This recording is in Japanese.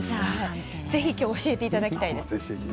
ぜひ、きょう教えていただきたいです。